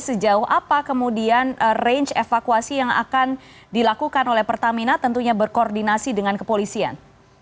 sejauh apa kemudian range evakuasi yang akan dilakukan oleh pertamina tentunya berkoordinasi dengan kepolisian